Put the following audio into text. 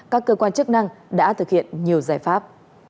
các cơ quan chức năng đã thực hiện nhiều giải pháp